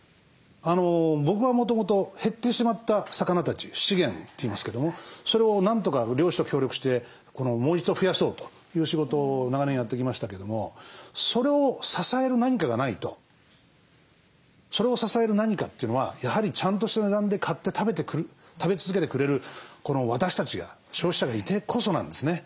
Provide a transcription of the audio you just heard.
僕はもともと減ってしまった魚たち資源といいますけどもそれをなんとか漁師と協力してもう一度増やそうという仕事を長年やってきましたけどもそれを支える何かがないとそれを支える何かというのはやはりちゃんとした値段で買って食べ続けてくれるこの私たちが消費者がいてこそなんですね。